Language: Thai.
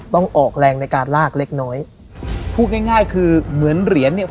ต้องออกแรงในการลากเล็กน้อยพูดง่ายง่ายคือเหมือนเหรียญเนี่ย